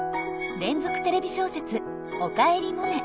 連続テレビ小説「おかえりモネ」。